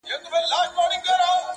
ستا د کتاب د ښوونځیو وطن-